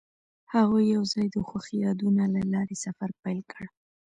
هغوی یوځای د خوښ یادونه له لارې سفر پیل کړ.